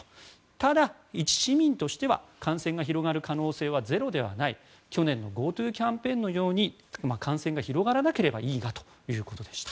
ただ、一市民としては感染が広がる可能性はゼロではない去年のＧｏＴｏキャンペーンのように感染が広がらなければいいがということでした。